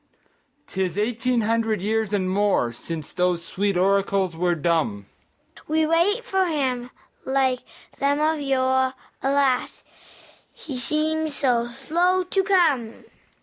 'Tis eighteen hundred years and more Since those sweet oracles were dumb; We wait for Him, like them of yore; Alas, He seems so slow to come!